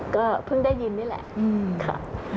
ก็เพิ่งได้ยินนี่แหละค่ะ